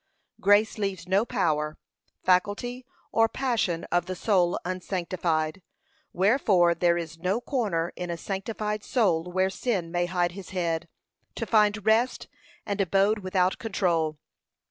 Grace leaves no power, faculty, or passion of the soul unsanctified, wherefore there is no corner in a sanctified soul where sin may hide his head, to find rest and abode without control.